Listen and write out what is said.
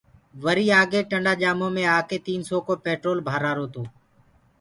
وريٚ آگي ٽنٚڊآ جآمونٚ مي آڪي تيٚن سو ڪو پينٽول ڀرآرو تو